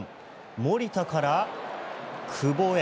守田から久保へ。